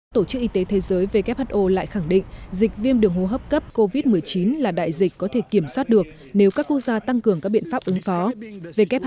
tổ chức y tế thế giới who lại khẳng định dịch viêm đường hô hấp cấp covid một mươi chín là đại dịch có thể kiểm soát được nếu các quốc gia tăng cường các biện pháp ứng phó